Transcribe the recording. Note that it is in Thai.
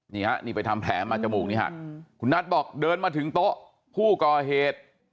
นี่ฮะนี่ไปทำแผลมาจมูกนี้หักคุณนัทบอกเดินมาถึงโต๊ะผู้ก่อเหตุ